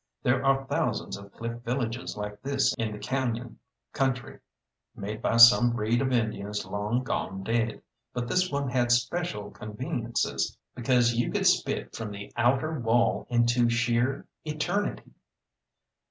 There are thousands of cliff villages like this in the cañon country, made by some breed of Indians long gone dead, but this one had special conveniences, because you could spit from the outer wall into sheer eternity.